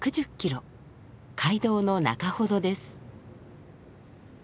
街道の中ほどです。